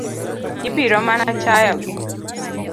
Ibiro mana chayo gi.